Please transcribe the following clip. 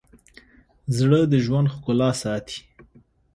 زړه د ژوند ښکلا ساتي.